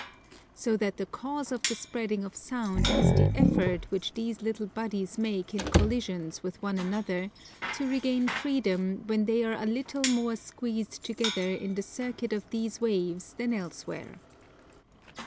So that the cause of the spreading of Sound is the effort which these little bodies make in collisions with one another, to regain freedom when they are a little more squeezed together in the circuit of these waves than elsewhere.